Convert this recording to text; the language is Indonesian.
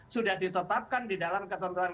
sudah ditetapkan di dalam ketentuan